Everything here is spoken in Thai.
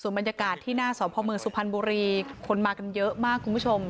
บรรยากาศที่หน้าสพเมืองสุพรรณบุรีคนมากันเยอะมากคุณผู้ชม